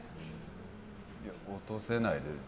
いや、落とせない。